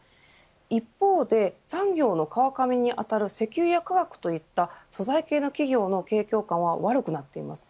一方で産業の川上に当たる石油や化学といった素材系の企業の景況感は悪くなっています。